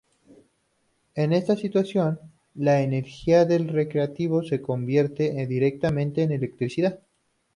En esta situación, la energía del reactivo se convierte directamente en electricidad.